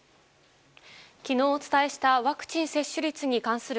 昨日お伝えしたワクチン接種率に関する